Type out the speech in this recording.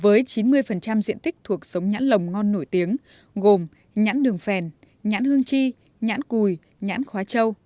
với chín mươi diện tích thuộc sống nhãn lồng ngon nổi tiếng gồm nhãn đường phèn nhãn hương chi nhãn cùi nhãn khóa trâu